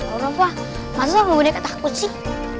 orang tua masa boneka takut sih